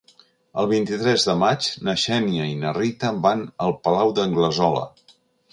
El vint-i-tres de maig na Xènia i na Rita van al Palau d'Anglesola.